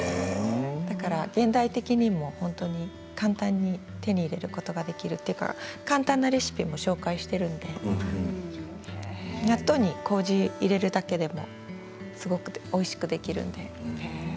だから現代的にも本当に簡単に手に入れることができるというか簡単なレシピも紹介しているので納豆にこうじを入れるだけですごくおいしくできるので。